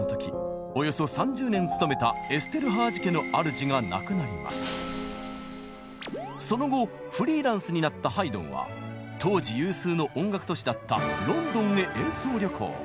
およそ３０年勤めたその後フリーランスになったハイドンは当時有数の音楽都市だったロンドンへ演奏旅行。